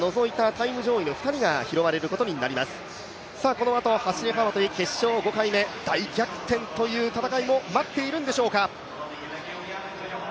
このあとは走幅跳決勝５回目大逆転という戦いも待っているんでしょうか。